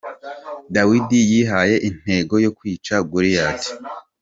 Dawidi yihaye intego yo kwica Goliath.